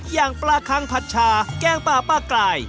อย่างปลาคังผัดชาแกงปลาปลากราย